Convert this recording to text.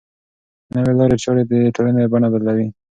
نوې لارې چارې د ټولنې بڼه بدلوي.